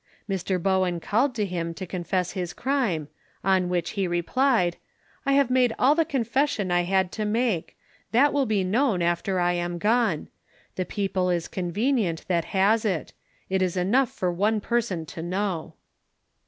Mr Bowen called to him to confess his crime, on which he replied, "I have made all the confession I had to make. That will be known after I am gone. The people is convenient that has it. It is enough for one person to know."